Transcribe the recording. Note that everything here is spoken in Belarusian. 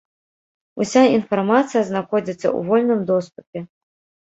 Уся інфармацыя знаходзіцца ў вольным доступе.